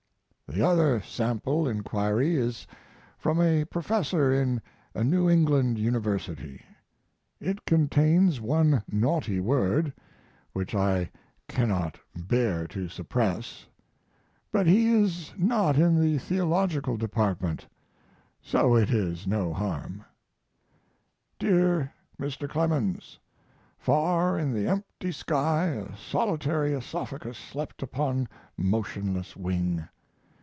The other sample inquiry is from a professor in a New England university. It contains one naughty word (which I cannot bear to suppress), but he is not in the theological department, so it is no harm: "DEAR MR. CLEMENS, 'Far in the empty sky a solitary oesophagus slept upon motionless wing.'